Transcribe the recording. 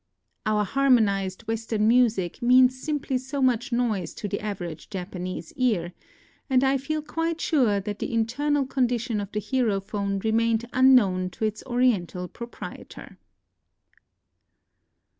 Our harmonized Western music means simply so much noise to the average Japanese ear ; and I felt quite sure that the internal condition of the herophone remained unknown to its Oriental proprietor.